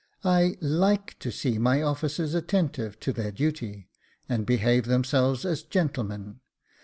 I /ike to see my officers attentive to their duty, and behave themselves as gentlemen.